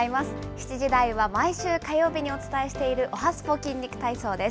７時台は毎週火曜日にお伝えしているおはＳＰＯ筋肉体操です。